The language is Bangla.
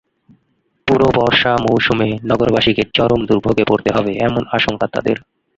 পুরো বর্ষা মৌসুমে নগরবাসীকে চরম দুর্ভোগে পড়তে হবে এমন আশঙ্কা তাঁদের।